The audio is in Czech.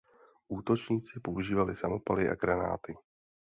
Útočníci používali samopaly a granáty.